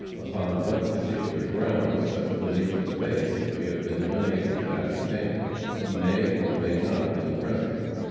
Upon what particular grounds such belief is based, we have been unable to ascertain. He may or may not have been present.